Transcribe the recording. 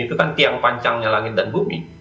itu kan tiang panjangnya langit dan bumi